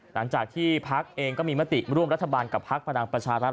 หลังจากที่ภักดิ์เองก็มีมติร่วมรัฐบาลกับภักดิ์ภรรณประชารับ